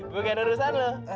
bukan urusan lo